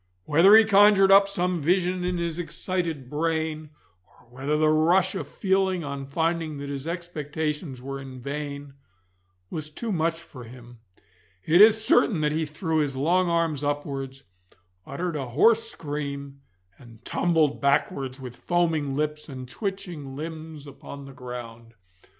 Whether he conjured up some vision in his excited brain, or whether the rush of feeling on finding that his expectations were in vain, was too much for him, it is certain that he threw his long arms upwards, uttered a hoarse scream, and tumbled backwards with foaming lips and twitching limbs upon the ground.